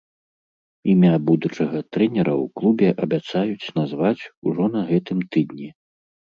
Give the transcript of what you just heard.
Імя будучага трэнера ў клубе абяцаюць назваць ужо на гэтым тыдні.